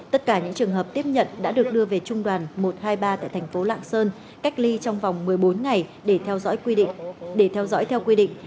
tất cả những trường hợp tiếp nhận đã được đưa về trung đoàn một trăm hai mươi ba tại thành phố lạng sơn cách ly trong vòng một mươi bốn ngày để theo dõi theo quy định